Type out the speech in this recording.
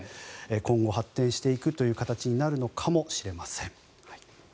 今後発展していく形になるのかもしれません。